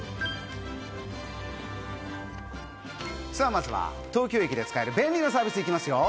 まずは東京駅で使える便利なサービス行きますよ！